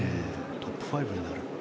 トップ５になる。